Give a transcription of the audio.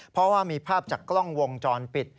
เพราะว่ามีภาพจากกล้องวงจรปิด